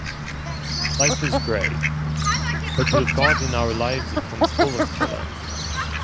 Life is grey but with God in our lives it becomes full of colour.